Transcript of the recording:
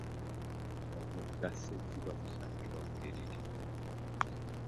Omugga sezibwa gusangibwa Bugerere.